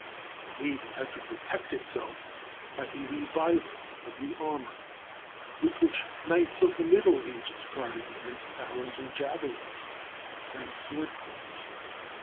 The navy had to protect itself by a revival of the armor with which knights of the middle ages guarded against arrows and javelins and sword points.